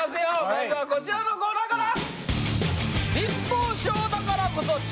まずはこちらのコーナーから！